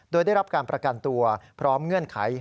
โดยได้รับการประกันตัวพร้อมเงื่อนไข